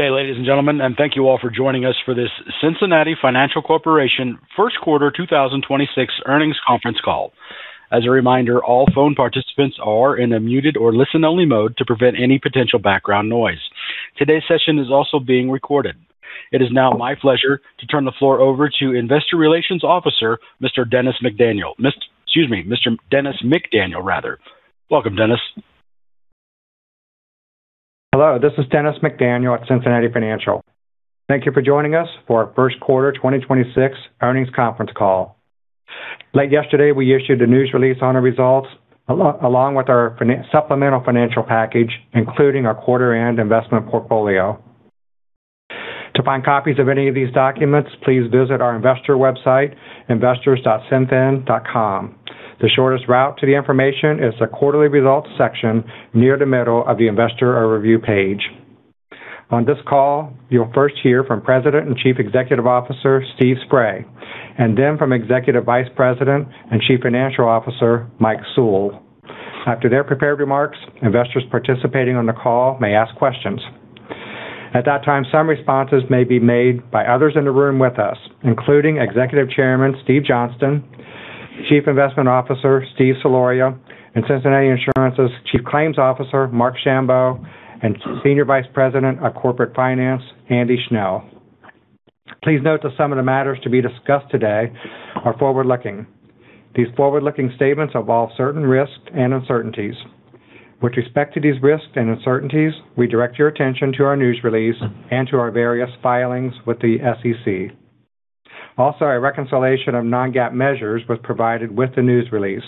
Good day, ladies and gentlemen, and thank you all for joining us for this Cincinnati Financial Corporation first quarter 2026 earnings conference call. As a reminder, all phone participants are in a muted or listen-only mode to prevent any potential background noise. Today's session is also being recorded. It is now my pleasure to turn the floor over to Investor Relations Officer, Mr. Dennis McDaniel. Welcome, Dennis. Hello, this is Dennis McDaniel at Cincinnati Financial. Thank you for joining us for our first quarter 2026 earnings conference call. Late yesterday, we issued a news release on our results, along with our supplemental financial package, including our quarter-end investment portfolio. To find copies of any of these documents, please visit our investor website, investors.cinfin.com. The shortest route to the information is the Quarterly Results section near the middle of the Investor Review page. On this call, you'll first hear from President and Chief Executive Officer, Steve Spray, and then from Executive Vice President and Chief Financial Officer, Mike Sewell. After their prepared remarks, investors participating on the call may ask questions. At that time, some responses may be made by others in the room with us, including Executive Chairman Steve Johnston, Chief Investment Officer Steve Soloria, and Cincinnati Insurance's Chief Claims Officer Marc J. Schambow, and Senior Vice President of Corporate Finance Andy Schnell. Please note that some of the matters to be discussed today are forward-looking. These forward-looking statements involve certain risks and uncertainties. With respect to these risks and uncertainties, we direct your attention to our news release and to our various filings with the SEC. Also, a reconciliation of non-GAAP measures was provided with the news release.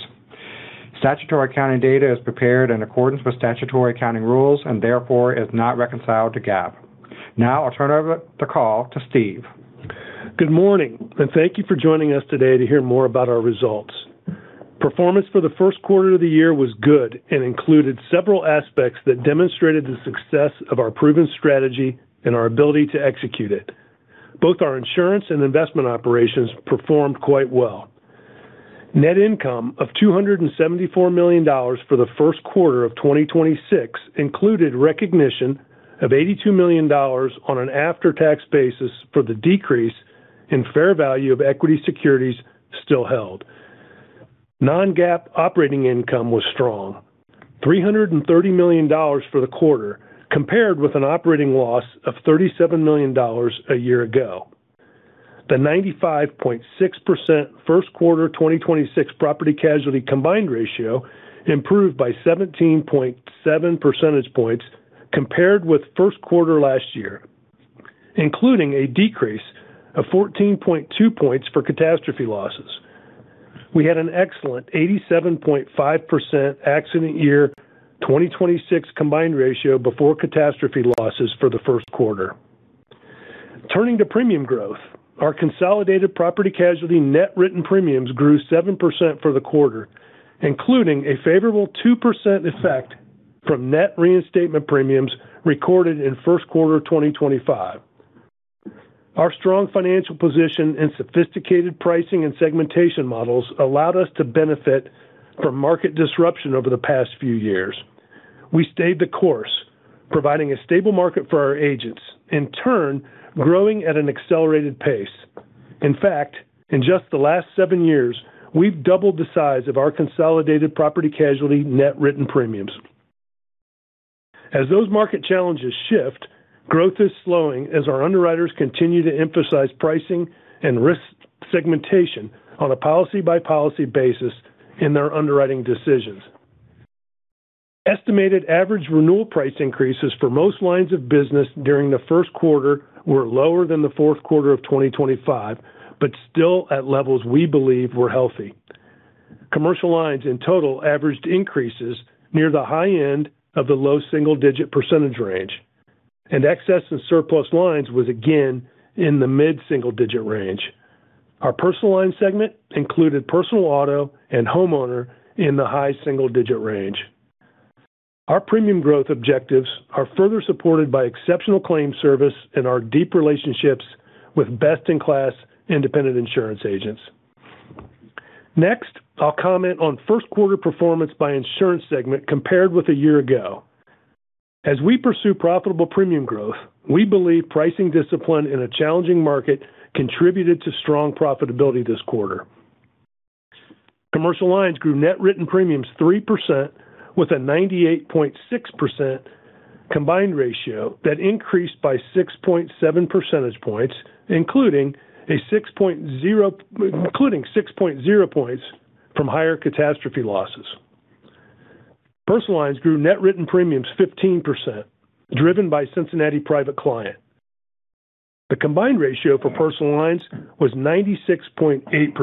Statutory accounting data is prepared in accordance with statutory accounting rules and therefore is not reconciled to GAAP. Now I'll turn over the call to Steve. Good morning, thank you for joining us today to hear more about our results. Performance for the first quarter of the year was good and included several aspects that demonstrated the success of our proven strategy and our ability to execute it. Both our insurance and investment operations performed quite well. Net income of $274 million for the first quarter of 2026 included recognition of $82 million on an after-tax basis for the decrease in fair value of equity securities still held. Non-GAAP operating income was strong, $330 million for the quarter, compared with an operating loss of $37 million a year ago. The 95.6% first quarter 2026 property casualty combined ratio improved by 17.7 percentage points compared with first quarter last year, including a decrease of 14.2 points for catastrophe losses. We had an excellent 87.5% accident year 2026 combined ratio before catastrophe losses for the first quarter. Turning to premium growth, our consolidated property casualty net written premiums grew 7% for the quarter, including a favorable 2% effect from net reinstatement premiums recorded in first quarter 2025. Our strong financial position and sophisticated pricing and segmentation models allowed us to benefit from market disruption over the past few years. We stayed the course, providing a stable market for our agents, in turn, growing at an accelerated pace. In fact, in just the last seven years, we've doubled the size of our consolidated property casualty net written premiums. As those market challenges shift, growth is slowing as our underwriters continue to emphasize pricing and risk segmentation on a policy-by-policy basis in their underwriting decisions. Estimated average renewal price increases for most lines of business during the first quarter were lower than the fourth quarter of 2025, but still at levels we believe were healthy. Commercial lines in total averaged increases near the high end of the low-single-digit % range, and excess and surplus lines was again in the mid-single-digit range. Our personal line segment included personal auto and homeowner in the high-single-digit range. Our premium growth objectives are further supported by exceptional claim service and our deep relationships with best-in-class independent insurance agents. Next, I'll comment on first quarter performance by insurance segment compared with a year ago. As we pursue profitable premium growth, we believe pricing discipline in a challenging market contributed to strong profitability this quarter. Commercial Lines grew net written premiums 3% with a 98.6% combined ratio that increased by 6.7 percentage points, including 6.0 points from higher catastrophe losses. Personal Lines grew net written premiums 15%, driven by Cincinnati Private Client. The combined ratio for personal Lines was 96.8%,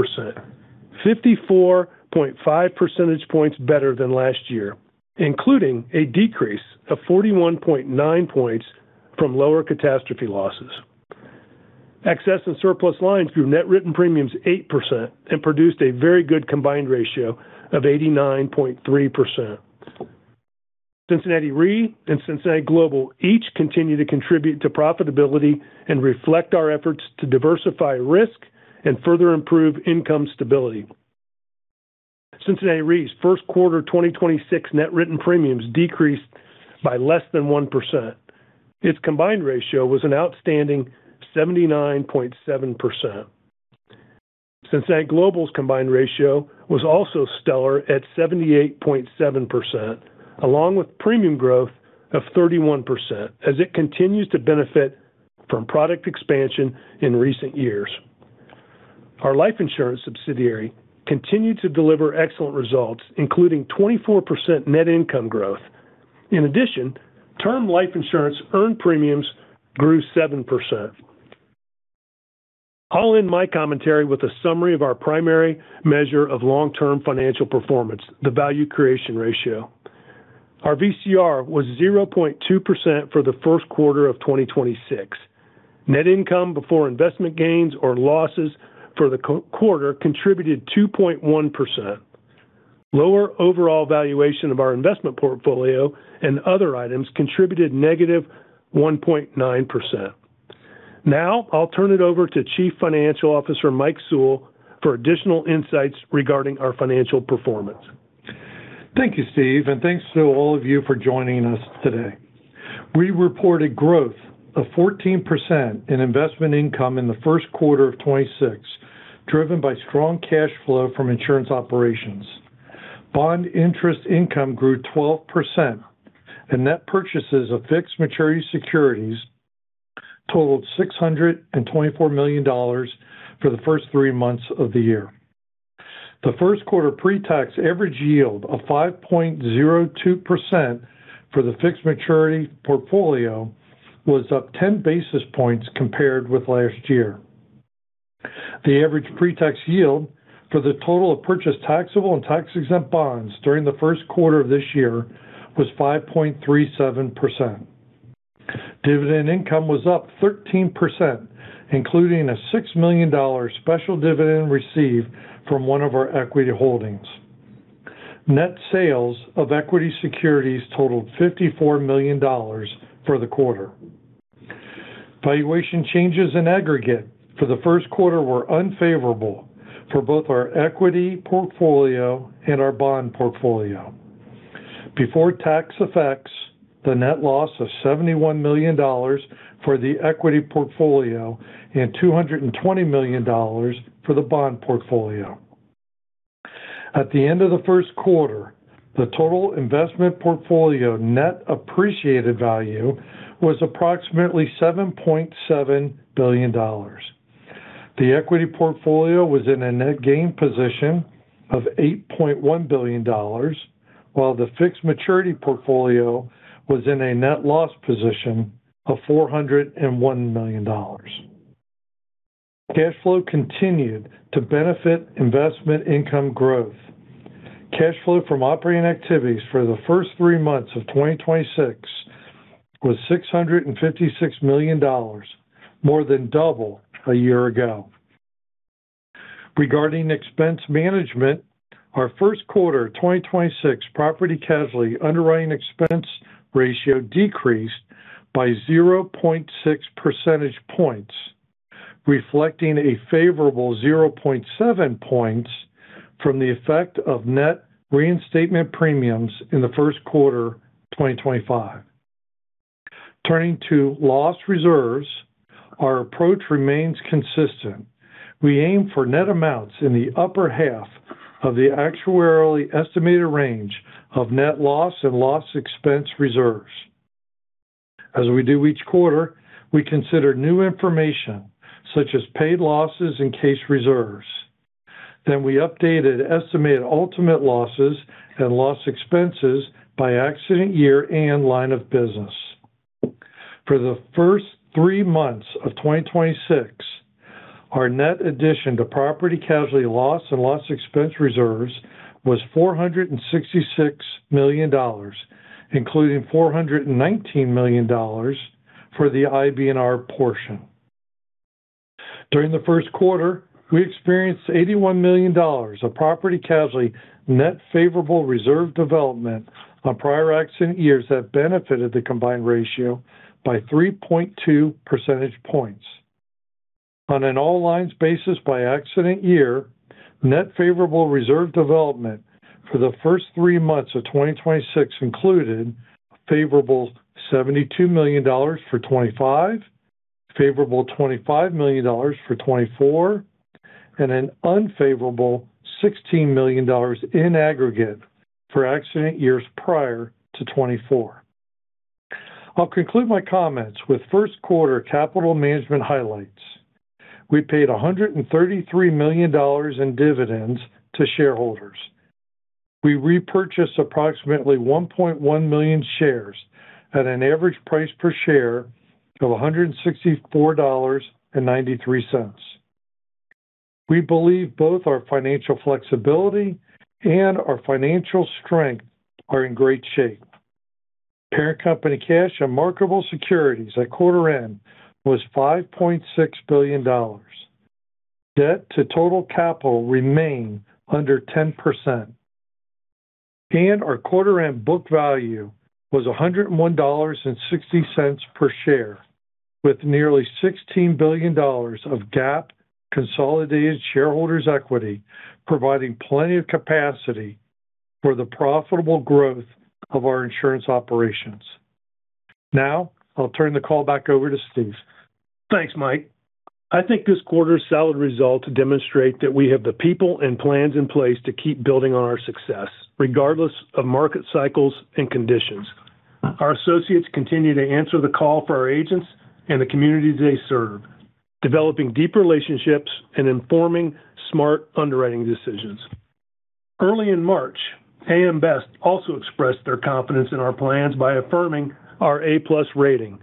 54.5 percentage points better than last year, including a decrease of 41.9 points from lower catastrophe losses. Excess and surplus lines grew net written premiums 8% and produced a very good combined ratio of 89.3%. Cincinnati Re and Cincinnati Global each continue to contribute to profitability and reflect our efforts to diversify risk and further improve income stability. Cincinnati Re's first quarter of 2026 net written premiums decreased by less than 1%. Its combined ratio was an outstanding 79.7%. Cincinnati Global's combined ratio was also stellar at 78.7%, along with premium growth of 31% as it continues to benefit from product expansion in recent years. Our life insurance subsidiary continued to deliver excellent results, including 24% net income growth. In addition, term life insurance earned premiums grew 7%. I'll end my commentary with a summary of our primary measure of long-term financial performance, the value creation ratio. Our VCR was 0.2% for the first quarter of 2026. Net income before investment gains or losses for the quarter contributed 2.1%. Lower overall valuation of our investment portfolio and other items contributed -1.9%. I'll turn it over to Chief Financial Officer Michael Sewell for additional insights regarding our financial performance. Thank you, Steve, thanks to all of you for joining us today. We reported growth of 14% in investment income in the first quarter of 2026, driven by strong cash flow from insurance operations. Bond interest income grew 12% and net purchases of fixed maturity securities totaled $624 million for the first three months of the year. The first quarter pre-tax average yield of 5.02% for the fixed maturity portfolio was up 10 basis points compared with last year. The average pre-tax yield for the total of purchased taxable and tax-exempt bonds during the first quarter of this year was 5.37%. Dividend income was up 13%, including a $6 million special dividend received from one of our equity holdings. Net sales of equity securities totaled $54 million for the quarter. Valuation changes in aggregate for the first quarter were unfavorable for both our equity portfolio and our bond portfolio. Before tax effects, the net loss of $71 million for the equity portfolio and $220 million for the bond portfolio. At the end of the first quarter, the total investment portfolio net appreciated value was approximately $7.7 billion. The equity portfolio was in a net gain position of $8.1 billion, while the fixed maturity portfolio was in a net loss position of $401 million. Cash flow continued to benefit investment income growth. Cash flow from operating activities for the first three months of 2026 was $656 million, more than double a year ago. Regarding expense management, our first quarter 2026 property casualty underwriting expense ratio decreased by 0.6 percentage points, reflecting a favorable 0.7 points from the effect of net reinstatement premiums in the first quarter 2025. Turning to loss reserves, our approach remains consistent. We aim for net amounts in the upper half of the actuarially estimated range of net loss and loss expense reserves. As we do each quarter, we consider new information such as paid losses and case reserves. We updated estimated ultimate losses and loss expenses by accident year and line of business. For the first three months of 2026, our net addition to property casualty loss and loss expense reserves was $466 million, including $419 million for the IBNR portion. During the first quarter, we experienced $81 million of property casualty net favorable reserve development on prior accident years that benefited the combined ratio by 3.2 percentage points. On an all lines basis by accident year, net favorable reserve development for the first three months of 2026 included favorable $72 million for 2025, favorable $25 million for 2024, and an unfavorable $16 million in aggregate for accident years prior to 2024. I'll conclude my comments with first quarter capital management highlights. We paid $133 million in dividends to shareholders. We repurchased approximately 1.1 million shares at an average price per share of $164.93. We believe both our financial flexibility and our financial strength are in great shape. Parent company cash and marketable securities at quarter-end was $5.6 billion. Debt to total capital remained under 10%. Our quarter-end book value was $101.60 per share, with nearly $16 billion of GAAP consolidated shareholders' equity, providing plenty of capacity for the profitable growth of our insurance operations. Now I'll turn the call back over to Steve. Thanks, Mike. I think this quarter's solid results demonstrate that we have the people and plans in place to keep building on our success, regardless of market cycles and conditions. Our associates continue to answer the call for our agents and the communities they serve, developing deep relationships and informing smart underwriting decisions. Early in March, AM Best also expressed their confidence in our plans by affirming our A+ rating,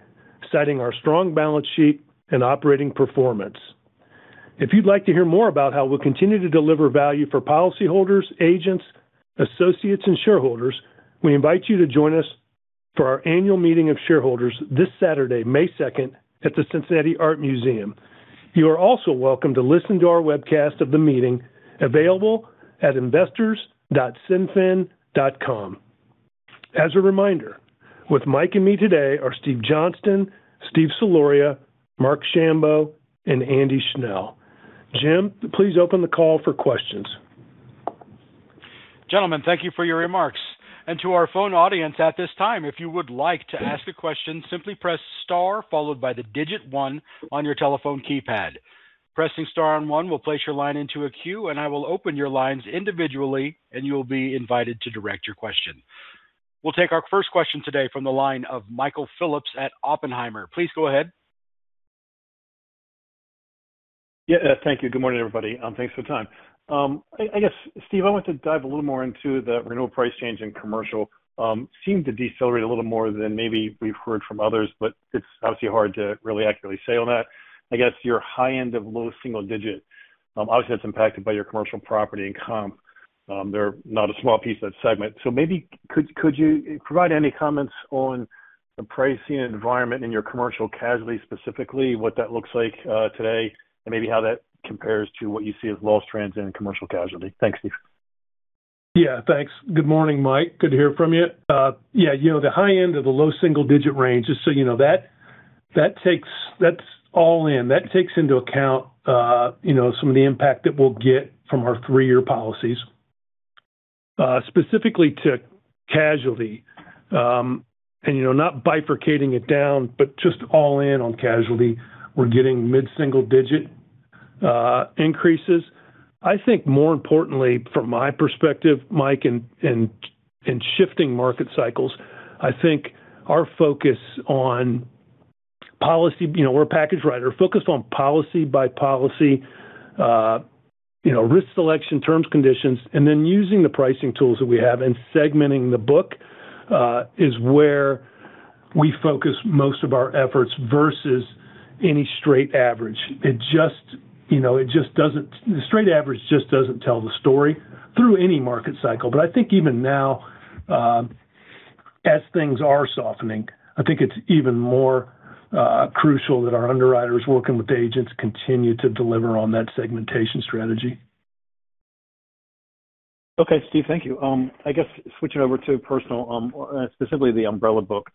citing our strong balance sheet and operating performance. If you'd like to hear more about how we'll continue to deliver value for policyholders, agents, associates, and shareholders, we invite you to join us for our annual meeting of shareholders this Saturday, May 2nd, at the Cincinnati Art Museum. You are also welcome to listen to our webcast of the meeting available at investors.cinfin.com. As a reminder, with Mike and me today are Steve Johnston, Steve Soloria, Marc Schambow, and Andy Schnell. Jim, please open the call for questions. Gentlemen, thank you for your remarks. To our phone audience, at this time, if you would like to ask a question, simply press star followed by the digit one on your telephone keypad. Pressing star one will place your line into a queue, and I will open your lines individually, and you'll be invited to direct your question. We'll take our first question today from the line of Michael Phillips at Oppenheimer. Please go ahead. Thank you. Good morning, everybody, and thanks for the time. Steve, I want to dive a little more into the renewal price change in commercial. Seemed to decelerate a little more than maybe we've heard from others, but it's obviously hard to really accurately say on that. Your high end of low-single-digit, obviously that's impacted by your commercial property and comp. They're not a small piece of that segment. Maybe could you provide any comments on the pricing environment in your commercial casualty, specifically what that looks like today, and maybe how that compares to what you see as loss trends in commercial casualty? Thanks, Steve. Yeah, thanks. Good morning, Michael. Good to hear from you. Yeah, you know, the high end of the low-single-digit range, just so you know, that takes into account, you know, some of the impact that we'll get from our three-year policies. Specifically to casualty, and you know, not bifurcating it down, but just all in on casualty, we're getting mid-single-digit increases. I think more importantly from my perspective, Michael, in shifting market cycles, I think our focus on policy, you know, we're a package writer focused on policy by policy, you know, risk selection, terms, conditions, and then using the pricing tools that we have and segmenting the book, is where we focus most of our efforts versus any straight average. The straight average just doesn't tell the story through any market cycle. I think even now, as things are softening, I think it's even more crucial that our underwriters working with agents continue to deliver on that segmentation strategy. Okay, Steve. Thank you. I guess switching over to personal, specifically the umbrella book.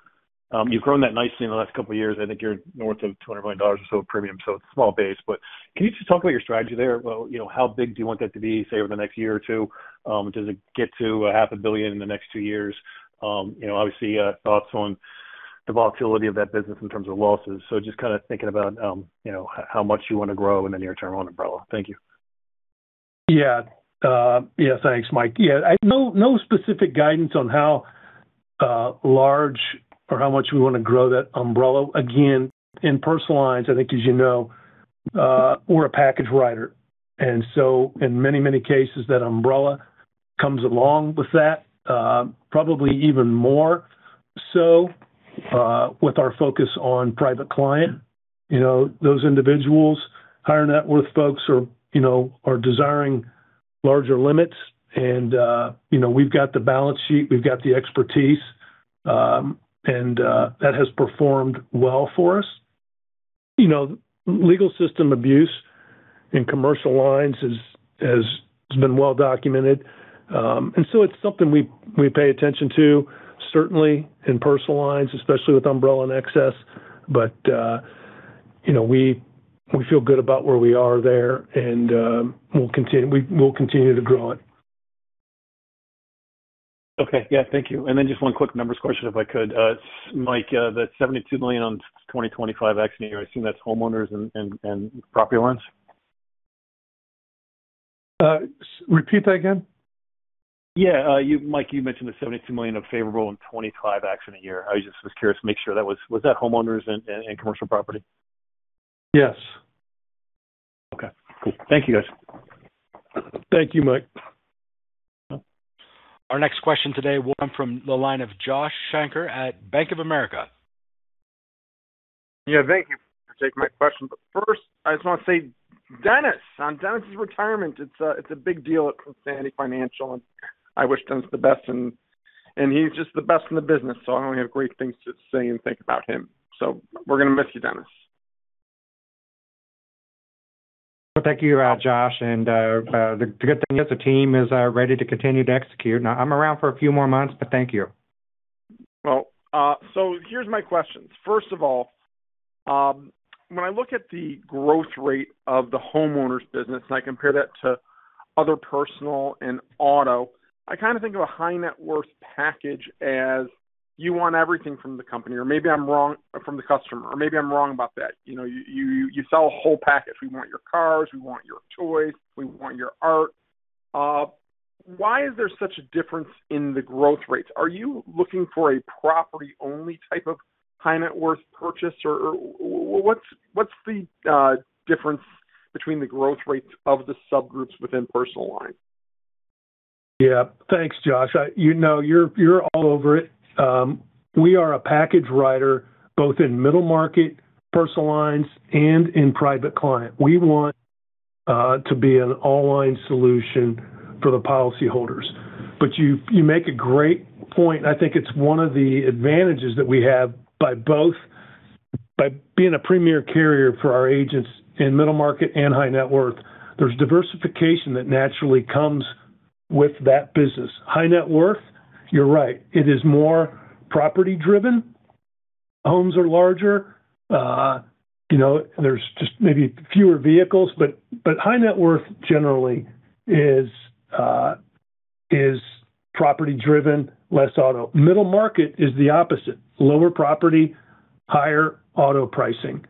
You've grown that nicely in the last couple of years. I think you're north of $200 million or so of premium, it's a small base. Can you just talk about your strategy there? You know, how big do you want that to be, say, over the next year or two? Does it get to a half a billion in the next two years? You know, obviously, thoughts on the volatility of that business in terms of losses. Just kinda thinking about, you know, how much you wanna grow in the near term on umbrella. Thank you. Thanks, Mike. No specific guidance on how large or how much we wanna grow that umbrella. Again, in personal lines, I think as you know, we're a package writer. In many cases, that umbrella comes along with that, probably even more so with our focus on Private Client. You know, those individuals, higher net worth folks are, you know, are desiring larger limits and, we've got the balance sheet, we've got the expertise, and that has performed well for us. You know, legal system abuse in commercial lines has been well documented. It's something we pay attention to, certainly in personal lines, especially with umbrella and excess. You know, we feel good about where we are there and, we will continue to grow it. Okay. Yeah. Thank you. Then just one quick numbers question, if I could. Mike, that $72 million on 2025 accident year, I assume that's homeowners and property lines. Repeat that again? Yeah. You, Mike, you mentioned the $72 million of favorable in 2025 accident year. I just was curious to make sure that was that homeowners and commercial property? Yes. Okay, cool. Thank you, guys. Thank you, Mike. Our next question today will come from the line of Joshua Shanker at Bank of America. Thank you for taking my question. First, I just want to say, Dennis, on Dennis's retirement, it's a big deal at Cincinnati Financial, and I wish Dennis the best and he's just the best in the business, so I only have great things to say and think about him. We're gonna miss you, Dennis. Well, thank you, Josh. The good thing is the team is ready to continue to execute. I'm around for a few more months, but thank you. Here's my questions. First of all, when I look at the growth rate of the homeowners business and I compare that to other personal and auto, I kind of think of a high net worth package as you want everything from the company, or maybe I'm wrong from the customer, or maybe I'm wrong about that. You know, you sell a whole package. We want your cars, we want your toys, we want your art. Why is there such a difference in the growth rates? Are you looking for a property-only type of high net worth purchase? What's the difference between the growth rates of the subgroups within personal line? Yeah. Thanks, Josh. You know, you're all over it. We are a package writer both in middle market, personal lines, and in Private Client. We want to be an online solution for the policyholders. You, you make a great point, and I think it's one of the advantages that we have by both being a premier carrier for our agents in middle market and high net worth. There's diversification that naturally comes with that business. High net worth, you're right, it is more property-driven. Homes are larger, you know, there's just maybe fewer vehicles. High net worth generally is property-driven, less auto. Middle market is the opposite: lower property, higher auto pricing.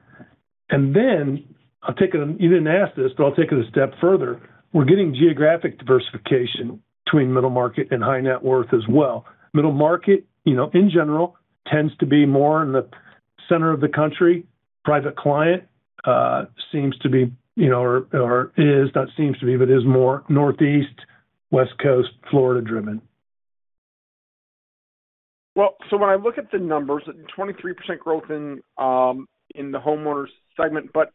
You didn't ask this, I'll take it a step further. We're getting geographic diversification between middle market and high net worth as well. Middle market, you know, in general, tends to be more in the center of the country. Private Client, seems to be, you know, or is, not seems to be, but is more Northeast, West Coast, Florida-driven. When I look at the numbers, 23% growth in the homeowners segment, but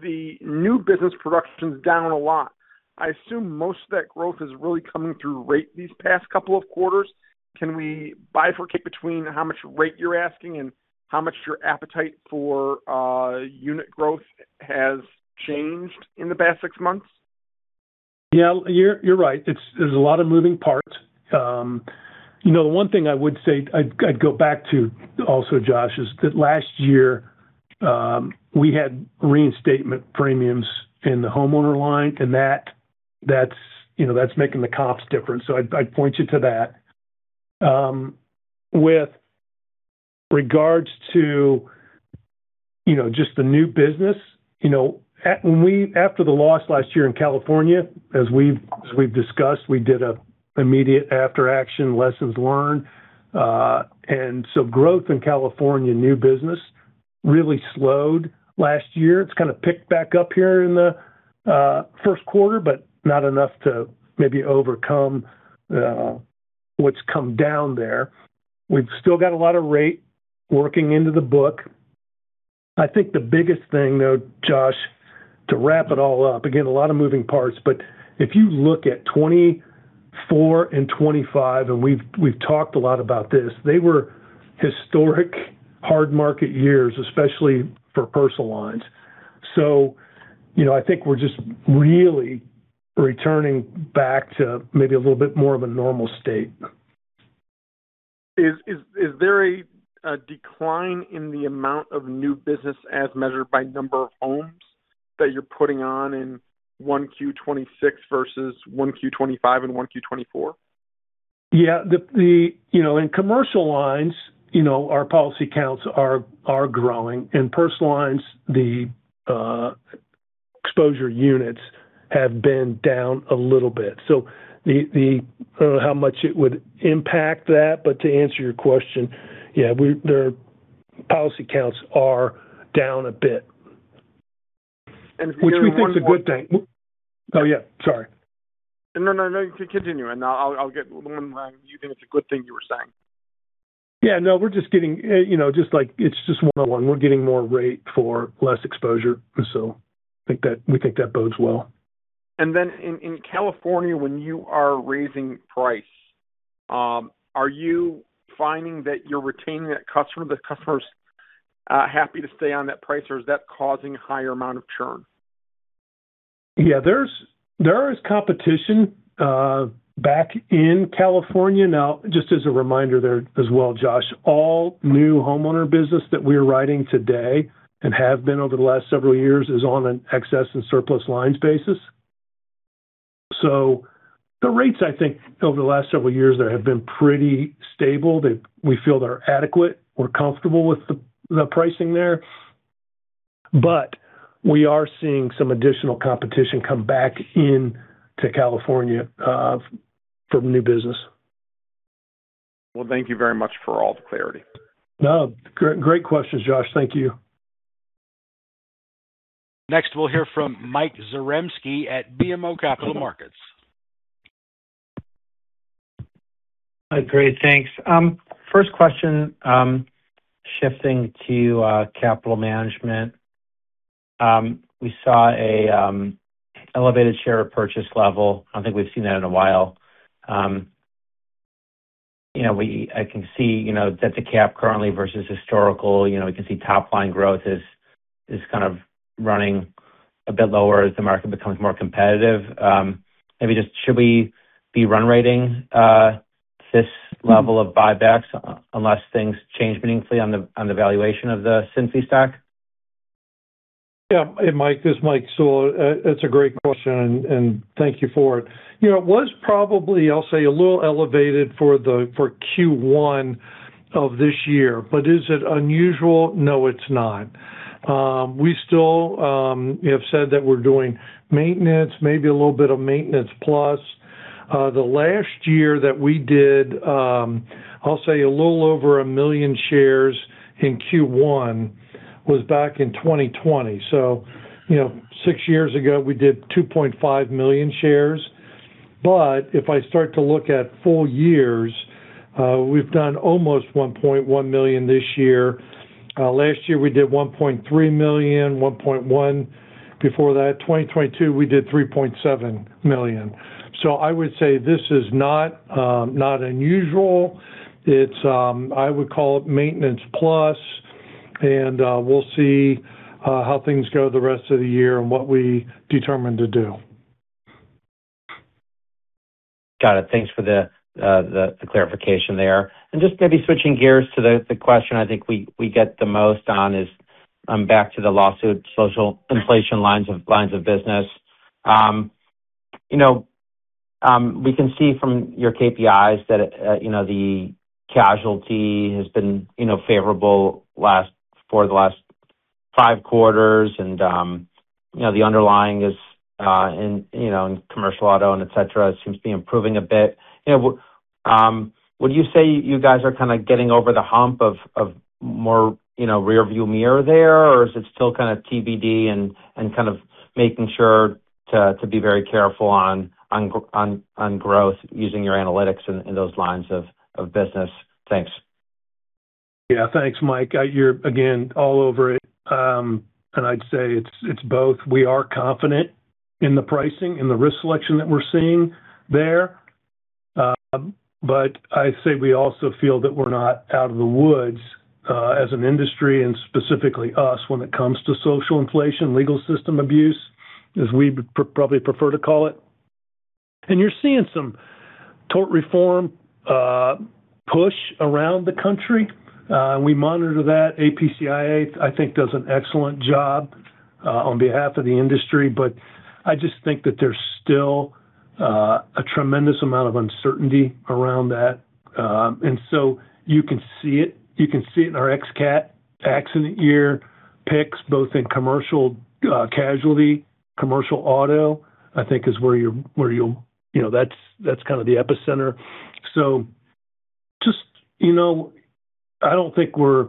the new business production is down a lot. I assume most of that growth is really coming through rate these past couple of quarters. Can we bifurcate between how much rate you're asking and how much your appetite for unit growth has changed in the past six months? You're, you're right. There's a lot of moving parts. You know, one thing I would say, I'd go back to also, Josh, is that last year, we had reinstatement premiums in the homeowner line, and that's, you know, that's making the comps different. I'd point you to that. With regards to, you know, just the new business, you know, after the loss last year in California, as we've discussed, we did an immediate after-action lessons learned. Growth in California new business really slowed last year. It's kind of picked back up here in the first quarter, not enough to maybe overcome what's come down there. We've still got a lot of rate working into the book. I think the biggest thing, though, Josh, to wrap it all up, again, a lot of moving parts, but if you look at 2024 and 2025, and we've talked a lot about this, they were historic hard market years, especially for personal lines. You know, I think we're just really returning back to maybe a little bit more of a normal state. Is there a decline in the amount of new business as measured by number of homes that you're putting on in 1Q 2026 versus 1Q 2025 and 1Q 2024? Yeah. The, you know, in commercial lines, you know, our policy counts are growing. In personal lines, the exposure units have been down a little bit. I don't know how much it would impact that, but to answer your question, yeah, their policy counts are down a bit. If you don't mind. Which we think is a good thing. Oh, yeah, sorry. No, no, continue. I'll get one line. You think it's a good thing you were saying. Yeah. No, we're just getting, you know, just like it's just one-on-one. We're getting more rate for less exposure. We think that bodes well. In California, when you are raising price, are you finding that you're retaining that customer, the customer's happy to stay on that price, or is that causing a higher amount of churn? There's competition back in California. Just as a reminder there as well, Josh, all new homeowner business that we're writing today and have been over the last several years is on an excess and surplus lines basis. The rates, I think, over the last several years, they have been pretty stable, that we feel they're adequate. We're comfortable with the pricing there. We are seeing some additional competition come back in to California for the new business. Well, thank you very much for all the clarity. No, great questions, Josh. Thank you. Next, we'll hear from Michael Zaremski at BMO Capital Markets. Great. Thanks. First question, shifting to capital management. We saw an elevated share purchase level. I don't think we've seen that in a while. You know, I can see, you know, debt to cap currently versus historical. You know, we can see top-line growth is kind of running a bit lower as the market becomes more competitive. Maybe just should we be run rating this level of buybacks unless things change meaningfully on the valuation of the CINF stock? Yeah. Hey, Mike, this Mike Sewell. That's a great question, and thank you for it. You know, it was probably, I'll say, a little elevated for Q1 of this year. Is it unusual? No, it's not. We still, you know, said that we're doing maintenance, maybe a little bit of maintenance plus. The last year that we did, I'll say a little over 1 million shares in Q1 was back in 2020. You know, six years ago, we did 2.5 million shares. If I start to look at full years, we've done almost 1.1 million this year. Last year, we did 1.3 million, 1.1. Before that, 2022, we did 3.7 million. I would say this is not unusual. It's, I would call it maintenance plus. We'll see how things go the rest of the year and what we determine to do. Got it. Thanks for the clarification there. Just maybe switching gears to the question I think we get the most on is back to the lawsuit, social inflation lines of business. You know, we can see from your KPIs that, you know, the casualty has been, you know, favorable for the last five quarters. You know, the underlying is in, you know, in commercial auto and et cetera, it seems to be improving a bit. You know, would you say you guys are kinda getting over the hump of more, you know, rearview mirror there, or is it still kind of TBD and kind of making sure to be very careful on growth using your analytics in those lines of business? Thanks. Thanks, Mike. You're again all over it. I'd say it's both. We are confident in the pricing and the risk selection that we're seeing there. I'd say we also feel that we're not out of the woods as an industry and specifically us when it comes to social inflation, legal system abuse, as we'd probably prefer to call it. You're seeing some tort reform push around the country. We monitor that. APCIA, I think, does an excellent job on behalf of the industry. I just think that there's still a tremendous amount of uncertainty around that. You can see it. You can see it in our ex-cat, accident year picks, both in commercial casualty, commercial auto, I think is where you'll. You know, that's kind of the epicenter. Just, you know, I don't think we're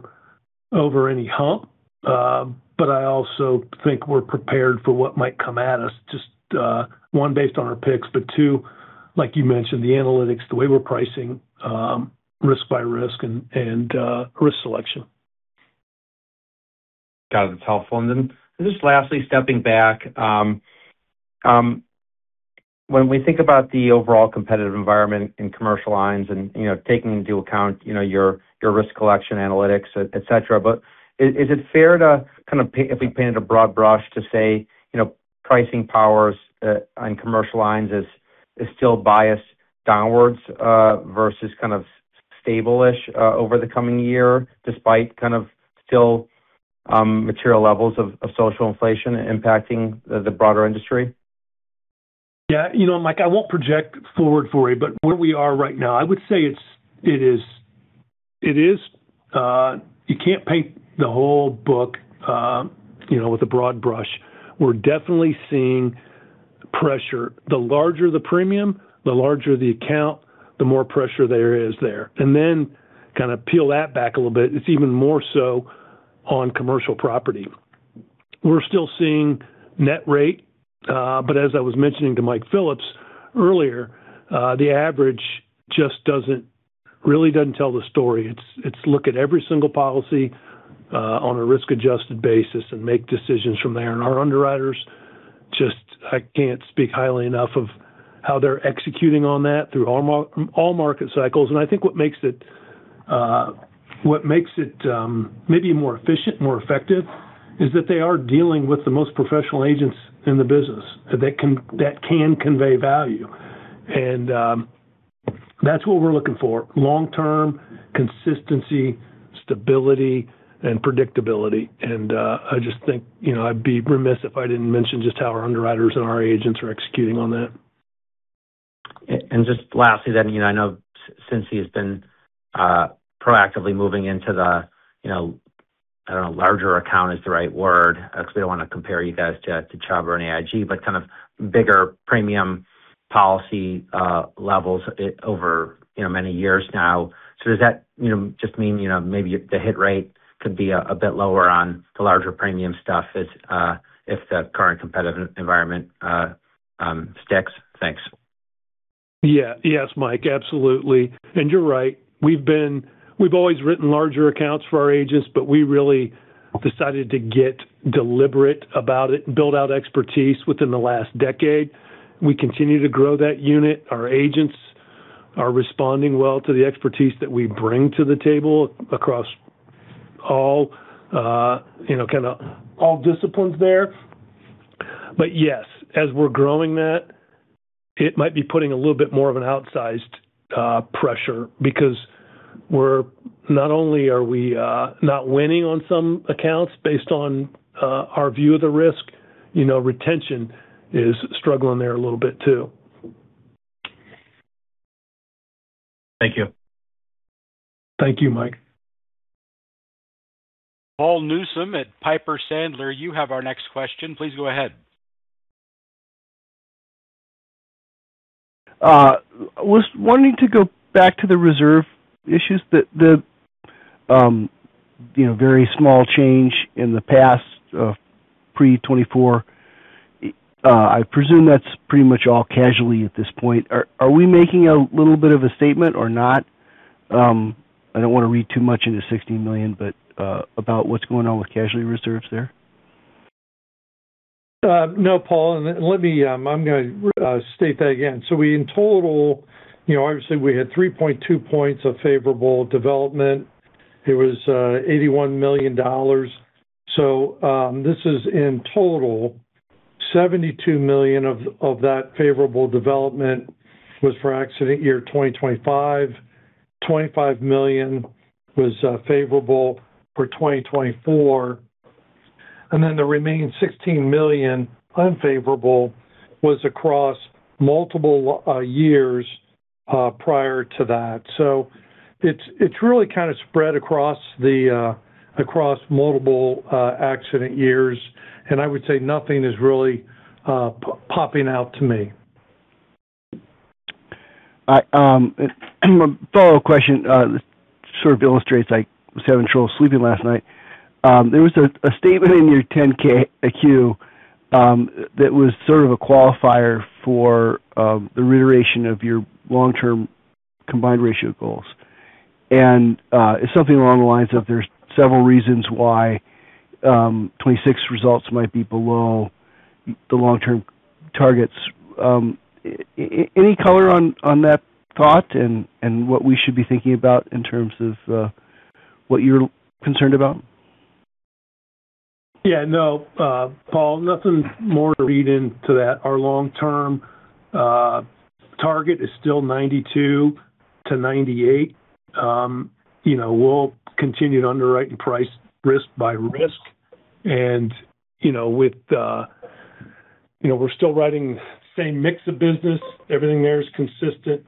over any hump, but I also think we're prepared for what might come at us. Just, one, based on our picks, but two, like you mentioned, the analytics, the way we're pricing, risk by risk and risk selection. Got it. It's helpful. Then just lastly, stepping back, when we think about the overall competitive environment in commercial lines and, you know, taking into account, you know, your risk collection analytics, et cetera, is it fair to kind of if we paint a broad brush to say, you know, pricing powers on commercial lines is still biased downwards versus kind of stable-ish over the coming year, despite kind of still material levels of social inflation impacting the broader industry? Yeah, you know, Mike, I won't project forward for you, but where we are right now, I would say it's, it is, you can't paint the whole book, you know, with a broad brush. We're definitely seeing pressure. The larger the premium, the larger the account, the more pressure there is there. Then kind of peel that back a little bit, it's even more so on commercial property. We're still seeing net rate, as I was mentioning to Mike Phillips earlier, the average just really doesn't tell the story. It's look at every single policy on a risk-adjusted basis and make decisions from there. Our underwriters just I can't speak highly enough of how they're executing on that through all market cycles. I think what makes it maybe more efficient, more effective is that they are dealing with the most professional agents in the business that can convey value. That's what we're looking for long-term consistency, stability, and predictability. I just think, you know, I'd be remiss if I didn't mention just how our underwriters and our agents are executing on that. Just lastly, you know, I know Cincinnati's been proactively moving into the, you know, I don't know if larger account is the right word, because we don't want to compare you guys to Chubb or AIG, but kind of bigger premium policy levels over, you know, many years now. Does that, you know, just mean, you know, maybe the hit rate could be a bit lower on the larger premium stuff if the current competitive environment sticks? Thanks. Yes. Yes, Mike, absolutely. You're right. We've always written larger accounts for our agents, but we really decided to get deliberate about it and build out expertise within the last decade. We continue to grow that unit. Our agents are responding well to the expertise that we bring to the table across all, you know, kinda all disciplines there. Yes, as we're growing that, it might be putting a little bit more of an outsized pressure because not only are we not winning on some accounts based on our view of the risk, you know, retention is struggling there a little bit too. Thank you. Thank you, Mike. Paul Newsome at Piper Sandler, you have our next question. Please go ahead. I was wanting to go back to the reserve issues. The, you know, very small change in the past, pre-2024. I presume that's pretty much all casualty at this point. Are we making a little bit of a statement or not? I don't wanna read too much into $16 million, but about what's going on with casualty reserves there. No, Paul. Let me state that again. We in total, you know, obviously, we had 3.2 points of favorable development. It was $81 million. This is in total. $72 million of that favorable development was for accident year 2025. $25 million was favorable for 2024. The remaining $16 million unfavorable was across multiple years prior to that. It's really kind of spread across multiple accident years, and I would say nothing is really popping out to me. I, a follow-up question, this sort of illustrates I was having trouble sleeping last night. There was a statement in your 10-Q that was sort of a qualifier for the reiteration of your long-term combined ratio goals. It's something along the lines of there's several reasons why 2026 results might be below the long-term targets. Any color on that thought and what we should be thinking about in terms of what you're concerned about? Yeah. No, Paul, nothing more to read into that. Our long-term target is still 92%-98%. You know, we'll continue to underwrite and price risk by risk. You know, with, you know, we're still riding same mix of business. Everything there is consistent.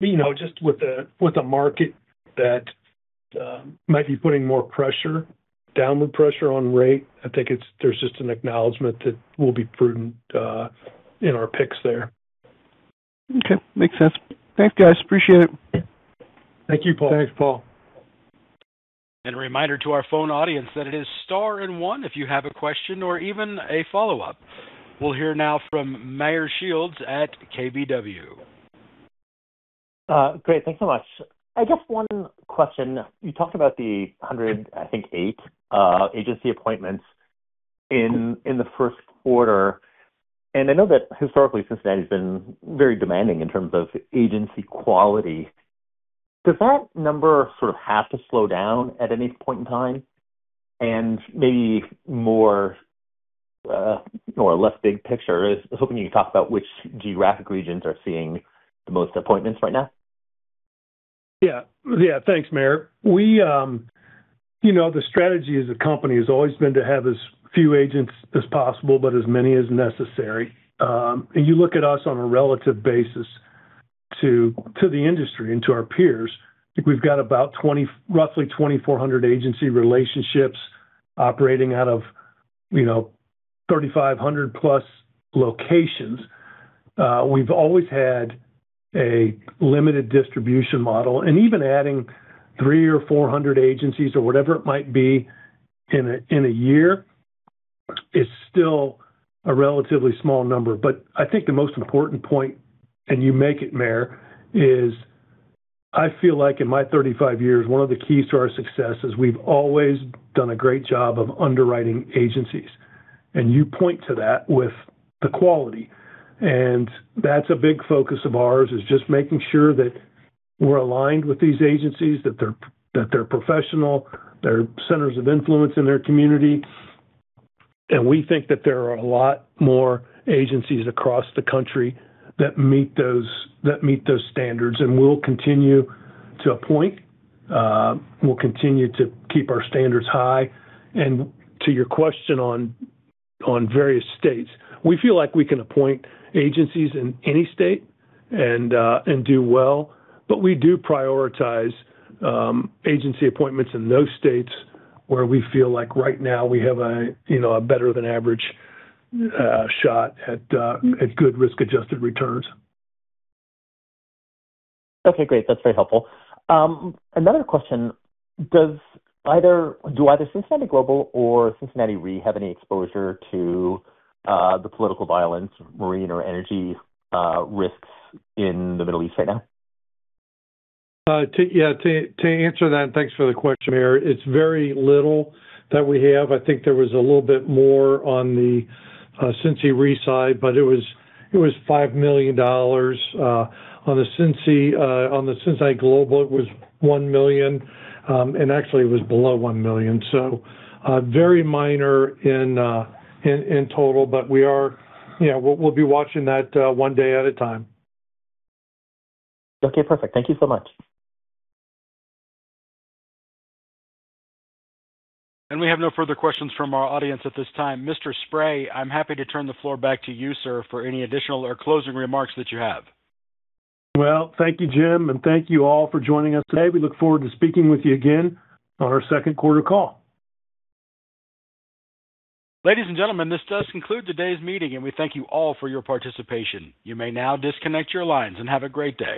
You know, just with the market that might be putting more pressure, downward pressure on rate. I think there's just an acknowledgment that we'll be prudent in our picks there. Okay. Makes sense. Thanks, guys. Appreciate it. Thank you, Paul. Thanks, Paul. A reminder to our phone audience that it is star and one if you have a question or even a follow-up. We'll hear now from Meyer Shields at KBW. Great. Thanks so much. I guess one question. You talked about the 108 agency appointments in the first quarter. I know that historically, Cincinnati's been very demanding in terms of agency quality. Does that number sort of have to slow down at any point in time? Maybe more or less big picture is, I was hoping you could talk about which geographic regions are seeing the most appointments right now. Thanks, Meyer. We, you know, the strategy as a company has always been to have as few agents as possible, but as many as necessary. You look at us on a relative basis to the industry and to our peers. I think we've got about roughly 2,400 agency relationships operating out of, you know, 3,500 plus locations. We've always had a limited distribution model, even adding 300 or 400 agencies or whatever it might be in a year is still a relatively small number. I think the most important point, and you make it, Meyer, is I feel like in my 35 years, one of the keys to our success is we've always done a great job of underwriting agencies. You point to that with the quality. That's a big focus of ours, is just making sure that we're aligned with these agencies, that they're professional, they're centers of influence in their community. We think that there are a lot more agencies across the country that meet those standards. We'll continue to appoint, we'll continue to keep our standards high. To your question on various states, we feel like we can appoint agencies in any state and do well, but we do prioritize agency appointments in those states where we feel like right now we have a, you know, a better than average shot at good risk-adjusted returns. Okay, great. That's very helpful. Another question. Do either Cincinnati Global or Cincinnati Re have any exposure to the political violence, marine or energy risks in the Middle East right now? To answer that, thanks for the question, Meyer, it's very little that we have. I think there was a little bit more on the Cincinnati Re side, it was $5 million, on the Cincinnati Global, it was $1 million, and actually it was below $1 million. Very minor in total. We are, we'll be watching that one day at a time. Okay, perfect. Thank you so much. We have no further questions from our audience at this time. Mr. Spray, I'm happy to turn the floor back to you, sir, for any additional or closing remarks that you have. Well, thank you, Jim, and thank you all for joining us today. We look forward to speaking with you again on our second quarter call. Ladies and gentlemen, this does conclude today's meeting. We thank you all for your participation. You may now disconnect your lines. Have a great day.